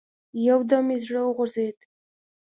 يو دم مې زړه وغورځېد.